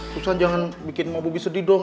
susah jangan bikin emak bobi sedih dong